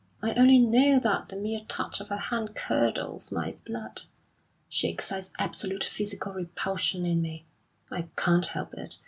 I only know that the mere touch of her hand curdles my blood. She excites absolute physical repulsion in me; I can't help it.